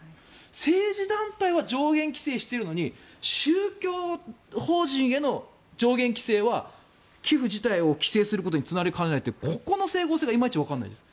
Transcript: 政治団体は上限規制しているのに宗教法人への上限規制は寄付自体を規制することにつながりかねないってここの整合性がいまいちわからないです。